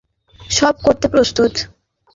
ফরাসি মহিলার জন্য সব করতে প্রস্তুত।